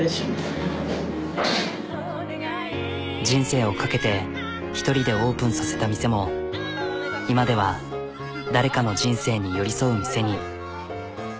人生を懸けて１人でオープンさせた店も今では誰かの人生に寄り添う店に。